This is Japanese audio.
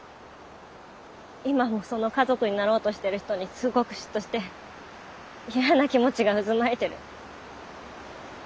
今もその家族になろうとしてる人にすごく嫉妬して嫌な気持ちが渦巻いてる。